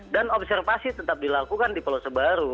dan observasi tetap dilakukan di pulau sebaru